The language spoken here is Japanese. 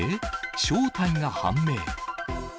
正体が判明。